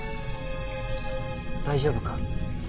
大丈夫か？